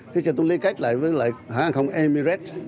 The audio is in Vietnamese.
thì chắc tôi liên kết lại với hãng không emirates